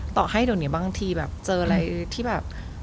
ต่อให้เดี๋ยวนี้บางทีแบบเจออะไรที่แบบ